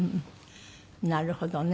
なるほどね。